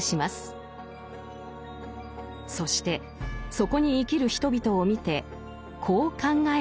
そしてそこに生きる人々を見てこう考えるのです。